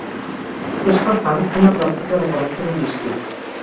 És, per tant, una pràctica de caràcter holístic.